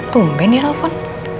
kumpen ya alfon